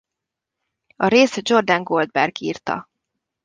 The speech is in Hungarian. A részt Jordan Goldberg írta.